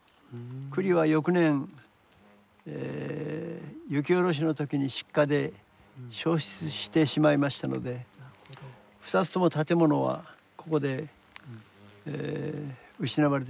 庫裏は翌年雪下ろしの時に失火で焼失してしまいましたので２つとも建物はここで失われてしまいましたけれども。